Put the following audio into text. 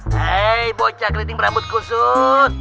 bocah keriting berambut kusut